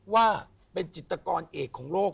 ว่าเป็นจิตกรเอกของโลก